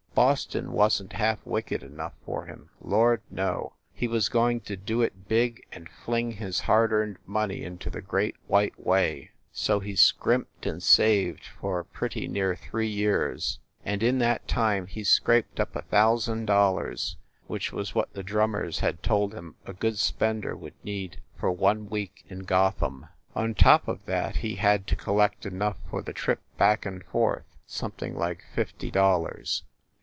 Boston wasn t half wicked enough for him, lord, no! He was going to do it big and fling his hard earned money into the Great White Way. So he scrimped and saved for pretty near three years, and in that time he scraped up a thou sand dollars, which was what the drummers had told him a good spender would need for one week in Gotham. On top of that he had to collect enough for the trip back and forth something like fifty dollars.